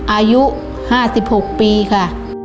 อายุ๕๖ปีค่ะ